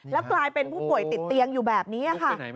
แล้วกลายเป็นผู้ป่วยติดเตียงอยู่แบบนี้ค่ะ